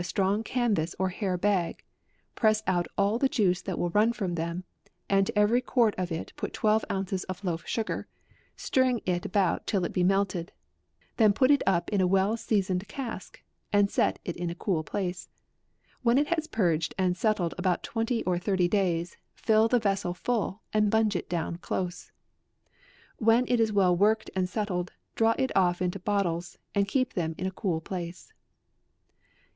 strong canvass or hair bag, press out all the juice that will run from them, and to every quart of it put twelve ounces of loaf sugar, stirring it about till it be melted ; then put it up in a well seasoned cask, and set it in a cool place ; when it has purged and settled about twenty or thirty days, fill the vessel full, and bung it down close." " When it is well worked and settled, draw it off into bottles, and keep them in a cool place.